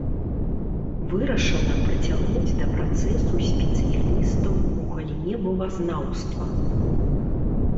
Вырашана прыцягнуць да працэсу спецыялістаў у галіне мовазнаўства.